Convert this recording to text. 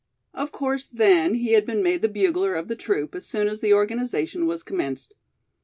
Of course, then, he had been made the bugler of the troop as soon as the organization was commenced.